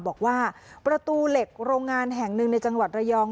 บอกว่าประตูเหล็กโรงงานแห่งหนึ่งในจังหวัดระยอง